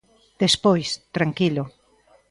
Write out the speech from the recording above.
Despois, tranquilo.